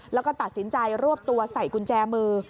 แล้วก็ตัดสินใจรวบตัวใส่กุญแจมือ